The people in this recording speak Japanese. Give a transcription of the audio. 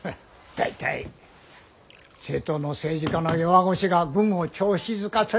大体政党の政治家の弱腰が軍を調子づかせるばかりなんだよ。